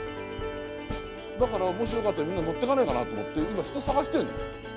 だから、もしよかったらみんな乗ってかないかなと思って今、人、捜してるの。